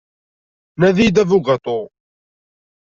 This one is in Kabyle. Nadi-iyi-d abugaṭu.